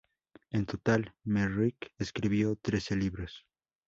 En total, Merrick escribió trece libros.